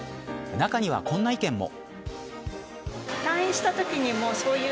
中には、こんな意見も。